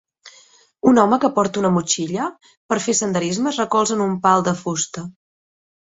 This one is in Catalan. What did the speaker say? Un home que porta una motxilla per fer senderisme es recolza en un pal de fusta.